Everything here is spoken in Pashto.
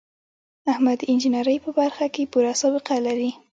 احمد د انجینرۍ په برخه کې پوره سابقه لري.